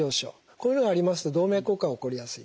こういうのがありますと動脈硬化が起こりやすい。